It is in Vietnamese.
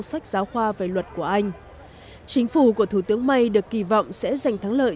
sách giáo khoa về luật của anh chính phủ của thủ tướng may được kỳ vọng sẽ giành thắng lợi